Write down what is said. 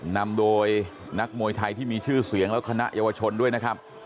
นำโดยนักมวยไทยที่มีชื่อเสียงและคณะเยาวชนด้วยนะครับ